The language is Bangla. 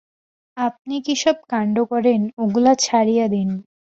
আপনি কী সব কাণ্ড করেন, ওগুলা ছাড়িয়া দিন।